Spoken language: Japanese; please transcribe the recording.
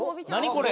これ。